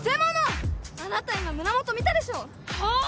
あなた今胸元見たでしょう！はあ？